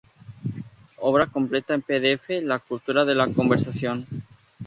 Obra completa en pdf "La cultura de la conversación".